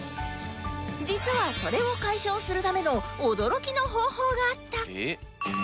実はそれを解消するための驚きの方法があった